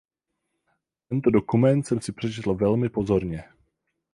Tento dokument jsem si přečetl velmi pozorně.